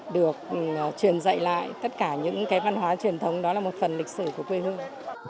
được truyền dạy lại tất cả những cái văn hóa truyền thống đó là một phần lịch sử của quê hương